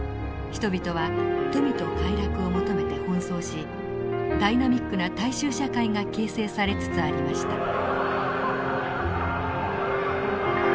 人々は富と快楽を求めて奔走しダイナミックな大衆社会が形成されつつありました。